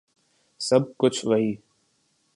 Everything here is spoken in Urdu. سَب کُچھ وہی